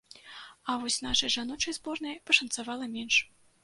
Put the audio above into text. А вось нашай жаночай зборнай пашанцавала менш.